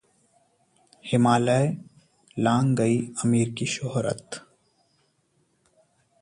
हिमालय लांग गई आमिर की शोहरत